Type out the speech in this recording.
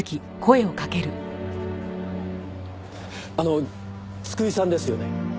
あの津久井さんですよね？